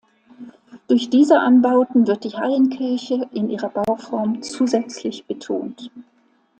Durch diese Anbauten wird die Hallenkirche in ihrer Bauform zusätzlich betont.